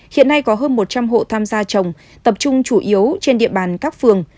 hiện nay có hơn một trăm linh hộ tham gia trồng tập trung chủ yếu trên địa bàn các phường